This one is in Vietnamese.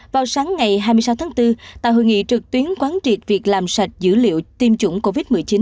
vào sáng ngày hai mươi sáu tháng bốn tại hội nghị trực tuyến quán triệt việc làm sạch dữ liệu tiêm chủng covid một mươi chín